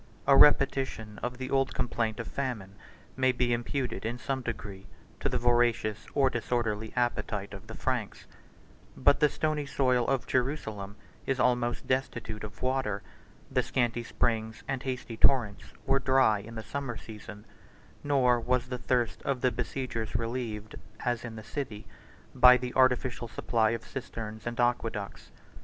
A repetition of the old complaint of famine may be imputed in some degree to the voracious or disorderly appetite of the Franks; but the stony soil of Jerusalem is almost destitute of water; the scanty springs and hasty torrents were dry in the summer season; nor was the thirst of the besiegers relieved, as in the city, by the artificial supply of cisterns and aqueducts.